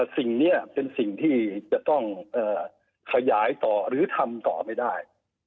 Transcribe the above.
สิ่งนี้เป็นสิ่งที่จะต้องขยายต่อหรือทำต่อไม่ได้